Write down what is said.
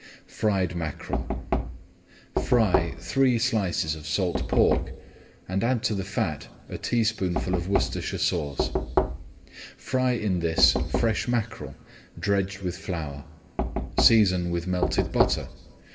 FRIED MACKEREL Fry three slices of salt pork, and add to the fat a teaspoonful of Worcestershire Sauce. Fry in this fresh mackerel, dredged with flour. Season with melted butter.